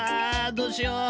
どうしよ。